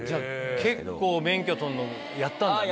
結構免許取るのやったんだね。